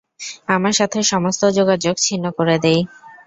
আমার সাথে সমস্ত যোগাযোগ ছিন্ন করে দেয়।